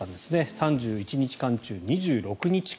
３１日間中２６日間。